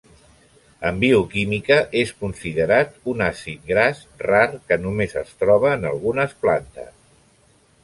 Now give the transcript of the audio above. En bioquímica és considerat un àcid gras rar que només es troba en algunes plantes.